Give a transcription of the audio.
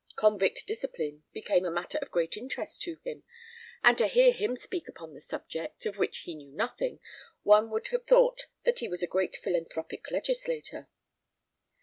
Convict discipline became a matter of great interest to him; and to hear him speak upon the subject, of which he knew nothing, one would have thought that he was a great philanthropical legislator.